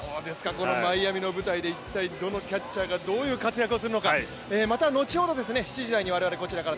このマイアミの舞台で一体どのキャッチャーがどういう活躍するのか、また後ほど７時台に我々、こちらから